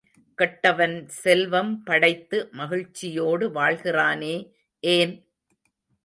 கெட்டவன் செல்வம் படைத்து மகிழ்ச்சியோடு வாழ்கிறானே ஏன்?